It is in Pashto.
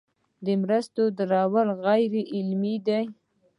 د مرستو درول غیر عملي دي.